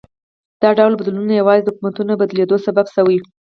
دا ډول بدلونونه یوازې د حکومتونو بدلېدو سبب شوي.